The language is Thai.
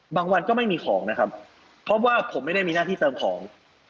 บางวันก็ไม่มีของนะครับเพราะว่าผมไม่ได้มีหน้าที่เติมของ